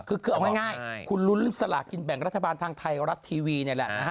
เอาง่ายคุณลุ้นสละกินแบ่งรัฐบาลทางไทรัตริย์ทีวีนี่แหละ